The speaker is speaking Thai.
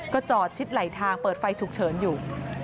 ก็จอดชิดไหลทางเปิดไฟฉุกเฉินอยู่